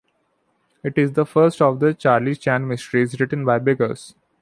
It is the first of the Charlie Chan mysteries written by Biggers.